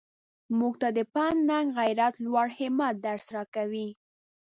موږ ته د پند ننګ غیرت لوړ همت درس راکوي.